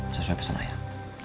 sesuai pesan ayah